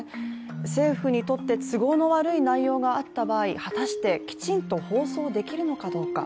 政府にとって都合の悪いことがあった場合果たしてきちんと放送できるのかどうか。